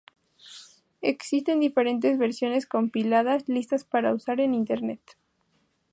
Existen diferentes versiones compiladas listas para usar en Internet.